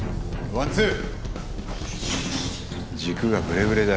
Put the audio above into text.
ワンツー！